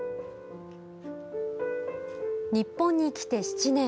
日本に来て７年。